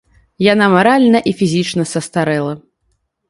Яна маральна і фізічна састарэла.